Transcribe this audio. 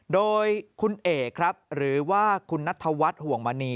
โดยคุณเอกครับหรือว่าคุณนัทธวัฒน์ห่วงมณี